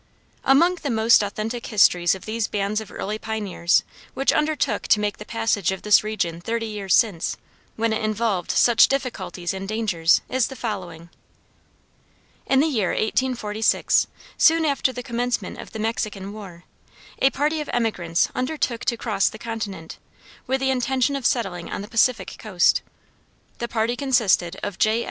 Among the most authentic histories of these bands of early pioneers which undertook to make the passage of this region thirty years since, when it involved such difficulties and dangers, is the following: In the year 1846, soon after the commencement of the Mexican War, a party of emigrants undertook to cross the Continent, with the intention of settling on the Pacific coast. The party consisted of J.